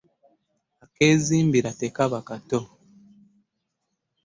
Akezimbira tekaba kato.